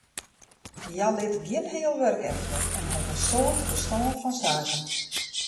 Hja lit gjin heal wurk efter en hat in soad ferstân fan saken.